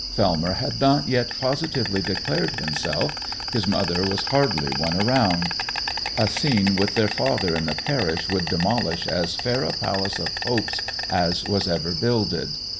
Fellmer had not yet positively declared himself, his mother was hardly won round; a scene with their father in the parish would demolish as fair a palace of hopes as was ever builded.